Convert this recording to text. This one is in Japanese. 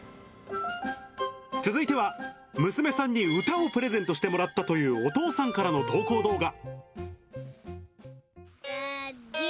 続いては、娘さんに歌をプレゼントしてもらったというお父さんからの投稿動画。